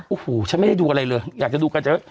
โอ้โหฉันไม่ได้ดูอะไรเลยอยากจะดูกันเจอ